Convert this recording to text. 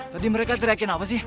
tapi mereka teriakin apa sih